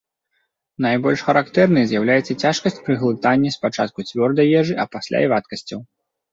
Найбольш характэрнай з'яўляецца цяжкасць пры глытанні спачатку цвёрдай ежы, а пасля і вадкасцяў.